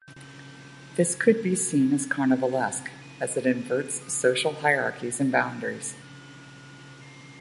This could be seen as carnivalesque, as it inverts social hierarchies and boundaries.